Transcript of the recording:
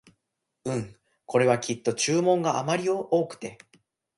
うん、これはきっと注文があまり多くて